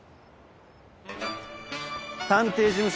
探偵事務所